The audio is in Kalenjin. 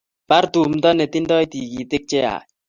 Bar tumto netindoi tikitik Che yach